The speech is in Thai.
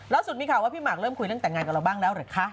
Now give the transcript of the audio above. มีข่าวว่าพี่หมากเริ่มคุยเรื่องแต่งงานกับเราบ้างแล้วหรือคะ